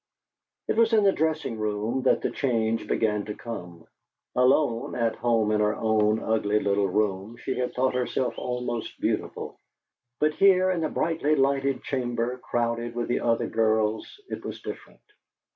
It was in the dressing room that the change began to come. Alone, at home in her own ugly little room, she had thought herself almost beautiful, but here in the brightly lighted chamber crowded with the other girls it was different.